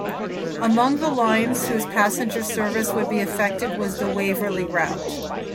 Among the lines whose passenger service would be affected was the Waverley Route.